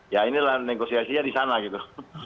ya inilah negosiasinya di sana gitu